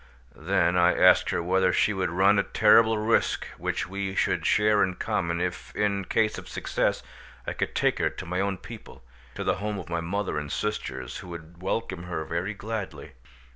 Then I asked her whether she would run a terrible risk which we should share in common, if, in case of success, I could take her to my own people, to the home of my mother and sisters, who would welcome her very gladly.